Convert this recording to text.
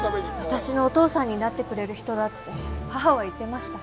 私のお父さんになってくれる人だって母は言っていました。